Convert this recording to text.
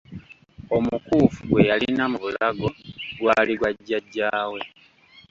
Omukuufu gwe yalina mu bulago gw'ali gwa jjajja we.